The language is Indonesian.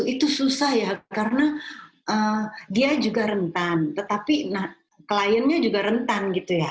itu susah ya karena dia juga rentan tetapi kliennya juga rentan gitu ya